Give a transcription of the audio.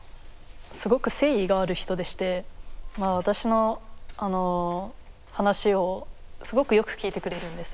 すごく誠意がある人でして私の話をすごくよく聞いてくれるんです。